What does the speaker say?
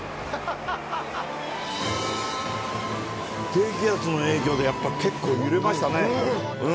低気圧の影響でやっぱ結構揺れましたね。